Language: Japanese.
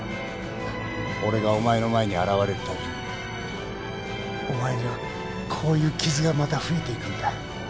俺がお前の前に現れるたびにお前にはこういう傷がまた増えていくんだ。